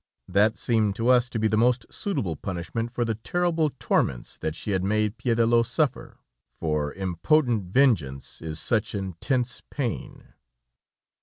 That seemed to us to be the most suitable punishment for the terrible torments that she had made Piédelot suffer, for impotent vengeance is such intense pain!